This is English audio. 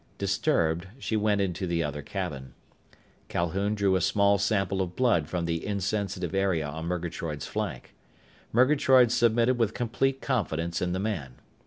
Disturbed, she went into the other cabin. Calhoun drew a small sample of blood from the insensitive area on Murgatroyd's flank. Murgatroyd submitted with complete confidence in the man.